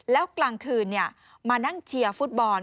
แล้วกลางคืนมานั่งเชียร์ฟุตบอล